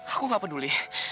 aku gak peduli